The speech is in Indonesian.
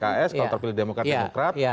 kalau terpilih demokrat demokrat